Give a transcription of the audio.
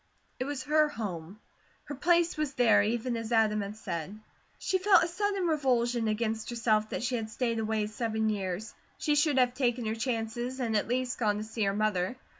It was her home. Her place was there, even as Adam had said. She felt a sudden revulsion against herself that she had stayed away seven years; she should have taken her chances and at least gone to see her mother.